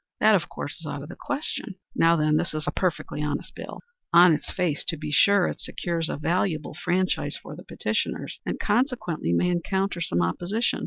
That, of course, is out of the question. Now then, this is a perfectly honest bill. On its face, to be sure, it secures a valuable franchise for the petitioners, and consequently may encounter some opposition.